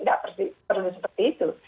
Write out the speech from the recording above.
tidak perlu seperti itu